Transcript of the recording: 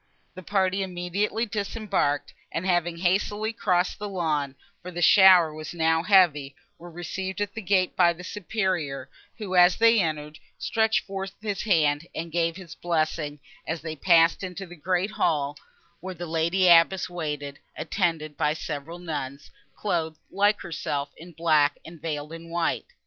The party immediately disembarked, and, having hastily crossed the lawn—for the shower was now heavy—were received at the gate by the Superior, who, as they entered, stretched forth his hands and gave his blessing; and they passed into the great hall, where the lady abbess waited, attended by several nuns, clothed, like herself, in black, and veiled in white.